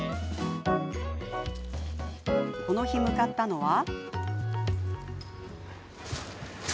この日、向かったのは。